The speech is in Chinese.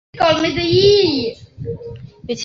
现效力于法甲球队尼斯。